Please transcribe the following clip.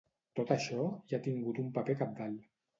Tot això hi ha tingut un paper cabdal.